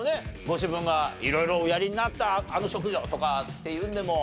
ご自分が色々おやりになったあの職業とかっていうんでも。